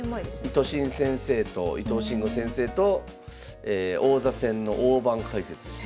イトシン先生と伊藤真吾先生と王座戦の大盤解説してました。